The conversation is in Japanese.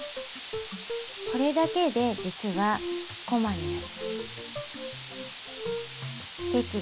これだけで実はこまになります。